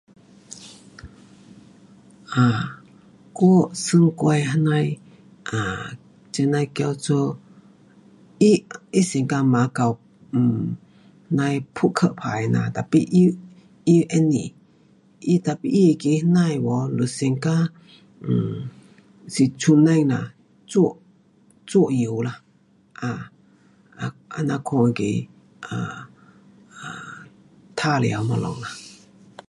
啊，我玩我的那样的，um 这那的叫做，它，它像嘎马脚，um 那样扑克牌呐，tapi 它不是，tapi 它那样那样的喔是像嘎 um 是塑胶呐，做，做样啦，这样款那个 um 啊玩耍东西啦。